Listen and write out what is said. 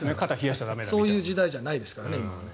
今はそういう時代じゃないですからね。